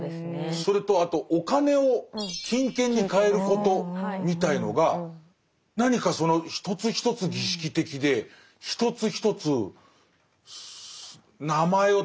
それとお金を金券に換えることみたいのが何かその一つ一つ儀式的で一つ一つ名前を取り上げられるというか。